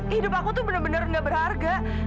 hidup aku tuh bener bener gak berharga